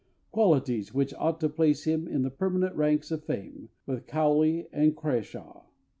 qualities which ought to place him in the permanent ranks of fame, with COWLEY and with CRASHAW....